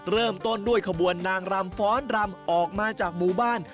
เริ่มต้นด้วยขบวนนางรำฟ้อนรำออกมาจากหมู่บ้าน